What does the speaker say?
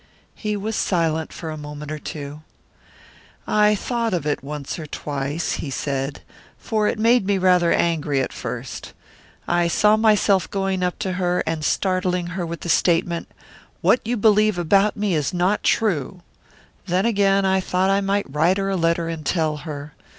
He was silent for a moment or two. "I thought of it once or twice," he said. "For it made me rather angry at first. I saw myself going up to her, and startling her with the statement, 'What you believe about me is not true!' Then again, I thought I might write her a letter and tell her.